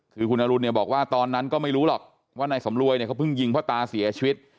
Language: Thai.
คือคุณอรุณเนี่ยบอกว่าตอนนั้นก็ไม่รู้หรอกว่านายสำรวยเนี่ยเขาเพิ่งยิงพ่อตาเสียชีวิต